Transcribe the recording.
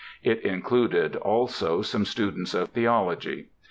It included, also, some students of theology.